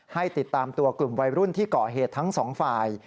ให้ติดตามตัวกลุ่มวัยรุ่นที่ก่อเหตุทั้งสองฝ่าย